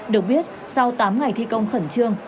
được biết sau tám ngày thi công khẩn trương